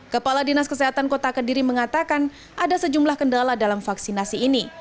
kepala dinas kesehatan kota kediri mengatakan ada sejumlah kendala dalam vaksinasi ini